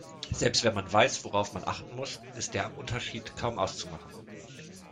Selbst wenn man weiß, worauf man achten muss, ist der Unterschied kaum auszumachen.